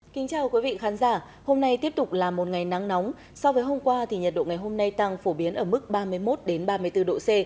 kính chào quý vị khán giả hôm nay tiếp tục là một ngày nắng nóng so với hôm qua thì nhiệt độ ngày hôm nay tăng phổ biến ở mức ba mươi một ba mươi bốn độ c